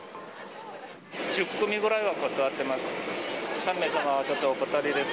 １０組くらいは断っています。